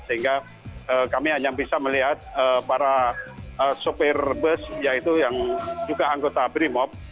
sehingga kami hanya bisa melihat para sopir bus yaitu yang juga anggota brimob